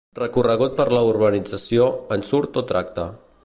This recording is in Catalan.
Recorregut per la urbanització "ensurt o tracte".